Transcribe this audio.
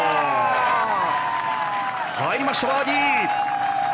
入りました、バーディー！